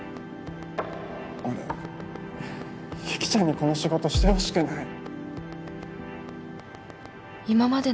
俺雪ちゃんにこの仕事してほしくない。